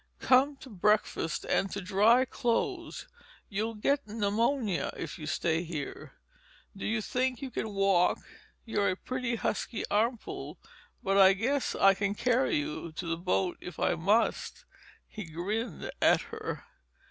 "Come to breakfast and dry clothes. You'll get pneumonia if you stay here. Do you think you can walk? You're a pretty husky armful, but I guess I can carry you to the boat if I must." He grinned at her.